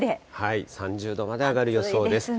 ３０度まで上がる予想です。